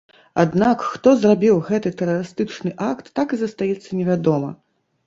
Аднак, хто зрабіў гэты тэрарыстычны акт, так і застаецца невядома.